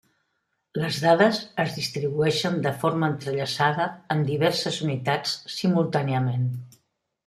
Les dades es distribueixen de forma entrellaçada en diverses unitats simultàniament.